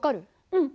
うん。